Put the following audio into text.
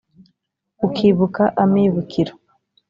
ukibuka « amibukiro »